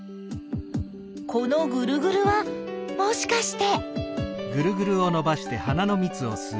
このぐるぐるはもしかして？